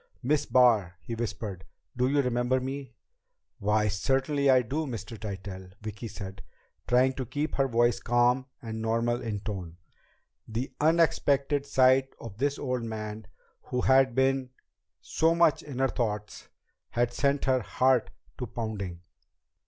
"Miss Barr!" he whispered. "Do you remember me?" "Why, certainly I do, Mr. Tytell." Vicki said, trying to keep her voice calm and normal in tone. The unexpected sight of this old man who had been so much in her thoughts had sent her heart to pounding.